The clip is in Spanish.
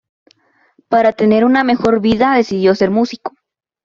Para tener una mejor vida decidió ser músico.